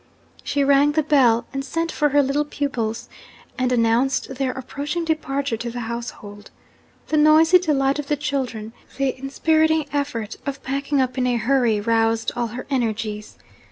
She rang the bell, and sent for her little pupils, and announced their approaching departure to the household. The noisy delight of the children, the inspiriting effort of packing up in a hurry, roused all her energies.